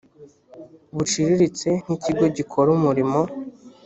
buciriritse nk ikigo gikora umurimo